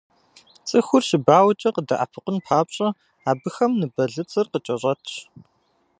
Цӏыхур щыбауэкӏэ къыдэӏэпыкъун папщӏэ, абыхэм ныбэлыцӏыр къыкӏэщӏэтщ.